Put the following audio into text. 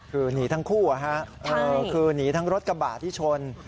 คือหนีทั้งคู่คือหนีทั้งรถกระบะที่ชน